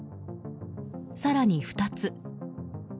更に２つ。